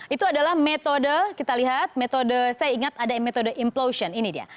itu adalah metode kita lihat metode saya ingat ada metode implosion ini dia